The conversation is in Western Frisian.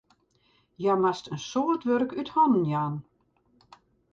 Hja moast in soad wurk út hannen jaan.